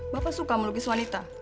bapak suka melukis wanita